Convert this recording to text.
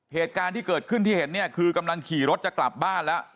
เหตุการณ์ที่เกิดขึ้นที่เห็นเนี่ยคือกำลังขี่รถจะกลับบ้านแล้ว